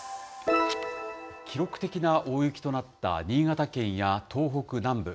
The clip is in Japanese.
記録的な大雪となった新潟県や東北南部。